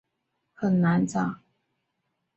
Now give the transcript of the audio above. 那一层楼很难找